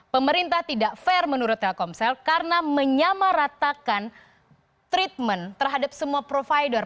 pemerintah tidak fair menurut telkomsel karena menyamaratakan treatment terhadap semua provider